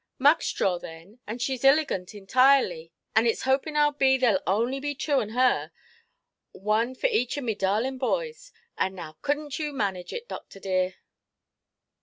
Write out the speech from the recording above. "Muckstraw, then, and sheʼs illigant intirely; an' itʼs hopin' I be as thereʼll only be two on her, one for each of me darlin' boys. And now cudnʼt you manage it, doctor dear"?